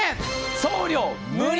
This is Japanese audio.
送料無料！